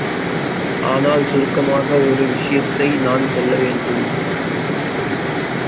ஆனால் சுருக்கமாக ஒரு விஷயத்தை நான் சொல்லவேண்டும்.